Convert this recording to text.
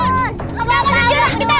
udah gak usah penuhin kita